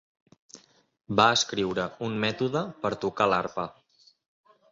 Va escriure un mètode per tocar l'arpa.